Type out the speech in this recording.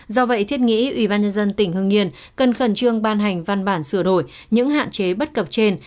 do vậy thiết nghĩ ubnd tỉnh hương yên cần khẩn trương ban hành văn bản sửa đổi những hạn chế bất cập trên